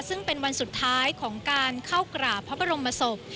ซึ่งเป็นวันสุดท้ายของการเข้ากราบพระบรมศพ